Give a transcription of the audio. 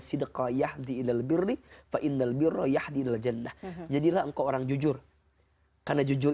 sidqa yahdi ilal birri fa'innal birro yahdi ilal jannah jadilah engkau orang jujur karena jujur